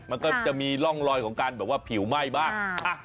มันก็จะมีร่องลอยของการผิวไหม้บ้าง